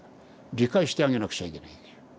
理解してあげなくちゃいけないんだよ。